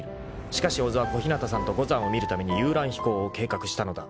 ［しかし小津は小日向さんと五山を見るために遊覧飛行を計画したのだ］